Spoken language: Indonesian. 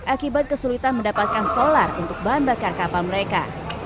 akibat kesulitan mendapatkan solar untuk bahan bakar kapal mereka